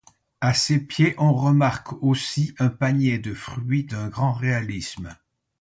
À ses pieds on remarque aussi un panier de fruits d'un grand réalisme.